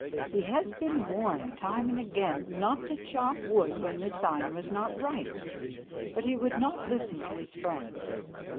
He has been warned time and again not to chop wood when the sign was not right, but he would not listen to his friends.